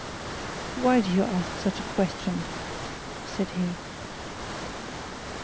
'Why do you ask me such a question?' said he.